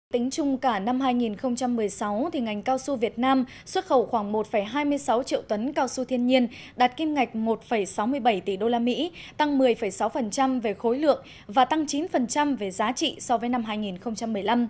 tính chung cả năm hai nghìn một mươi sáu ngành cao su việt nam xuất khẩu khoảng một hai mươi sáu triệu tấn cao su thiên nhiên đạt kim ngạch một sáu mươi bảy tỷ usd tăng một mươi sáu về khối lượng và tăng chín về giá trị so với năm hai nghìn một mươi năm